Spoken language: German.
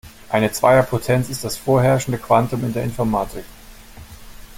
Eine Zweierpotenz ist das vorherrschende Quantum in der Informatik.